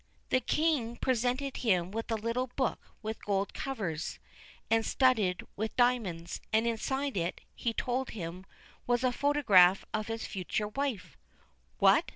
The King presented him with a little book with gold covers and studded with diamonds, and inside it, he told him, was a photograph of his future wife. 'What!'